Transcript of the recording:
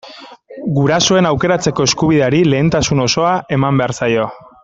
Gurasoen aukeratzeko eskubideari lehentasuna osoa eman behar zaio.